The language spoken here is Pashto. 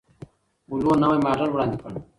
ولوو نوی ماډل وړاندې کړ.